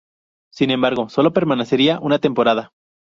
Sin embargo, solo permanecería una temporada.